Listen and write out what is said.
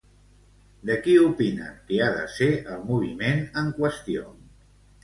De qui opinen que ha de ser el moviment en qüestió?